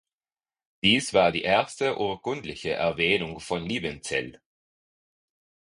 Dies war die erste urkundliche Erwähnung von Liebenzell.